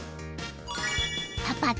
［パパと］